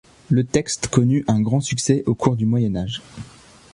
Le texte connut un grand succès au cours du Moyen Age.